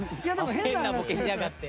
変なボケしやがって。